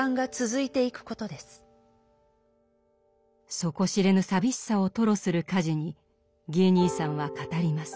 底知れぬ寂しさを吐露するカジにギー兄さんは語ります。